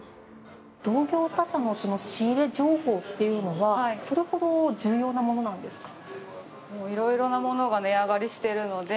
同業他社の仕入れ情報というのはそれほど重要なものなんですか？